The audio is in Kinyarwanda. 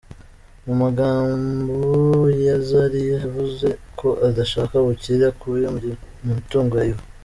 Mu magambo ye Zari , yavuze ko adashaka ubukire akuye mu mitungo ya Ivan.